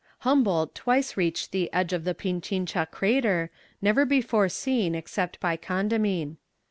Humboldt twice reached the edge of the Pinchincha crater, never before seen except by Condamine.